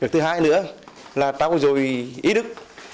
thứ hai nữa là ta có rồi ý đức